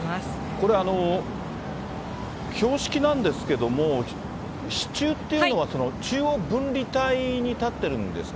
これ、標識なんですけども、支柱っていうのは中央分離帯に立ってるんですか？